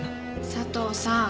佐藤さん